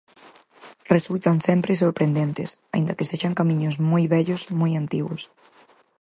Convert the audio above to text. Resultan sempre sorprendentes, aínda que sexan camiños moi vellos, moi antigos.